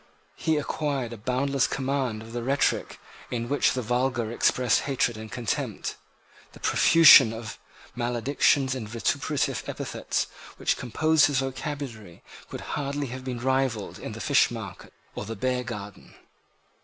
He acquired a boundless command of the rhetoric in which the vulgar express hatred and contempt. The profusion of maledictions and vituperative epithets which composed his vocabulary could hardly have been rivalled in the fishmarket or the beargarden.